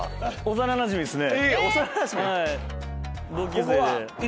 幼なじみっすね。